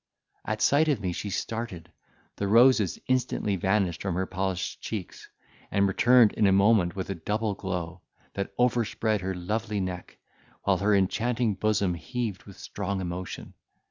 At sight of me she started, the roses instantly vanished from her polished cheeks, and returned in a moment with a double glow, that overspread her lovely neck, while her enchanting bosom heaved with strong emotion.